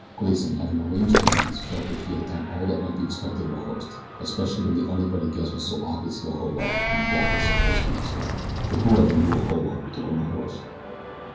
Grayson having arranged for these felt that he had done all that might be expected of a host, especially when the uninvited guest was so obviously a hobo and doubtless a horse thief as well, for who ever knew a hobo to own a horse?